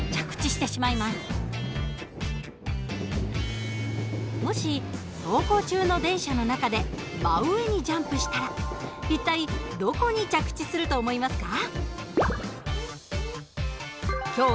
さあ皆さんもし走行中の電車やバスの中で真上にジャンプしたらどこに着地すると思いますか？